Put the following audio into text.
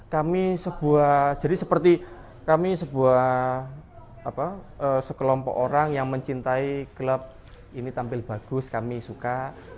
kami sebuah jadi seperti kami sebuah sekelompok orang yang mencintai klub ini tampil bagus kami suka